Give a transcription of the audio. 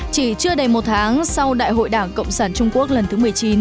chỉ chưa đầy một tháng sau đại hội đảng cộng sản trung quốc lần thứ một mươi chín